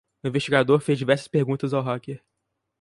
O investigador fez diversas perguntas ao hacker.